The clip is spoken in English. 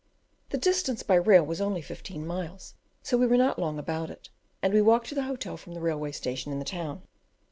The distance by rail was only fifteen miles, so we were not long about it; and we walked to the hotel from the railway station in the town.